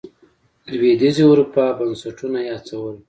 لوېدیځې اروپا بنسټونه یې هڅول.